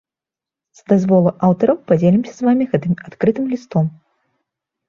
З дазволу аўтара падзелімся з вамі гэтым адкрытым лістом.